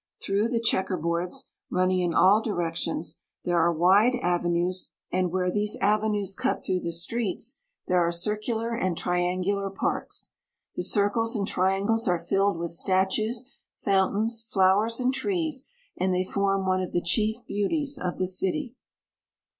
Through the checker boards, running in all directions, there are wide avenues. 20 THE UNITED STATES. and where these avenues cut through the streets there are circular and triangular parks. The circles and triangles are filled with statues, fountains, flowers, and trees, and they form one of the chief beauties of the city.